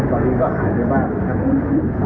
ตอนนี้ก็หาในบ้านครับ